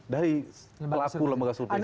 dari pelaku lembaga survei